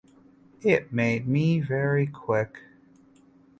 It made me very quick.